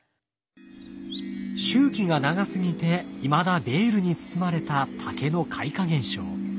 周期が長すぎていまだベールに包まれた竹の開花現象。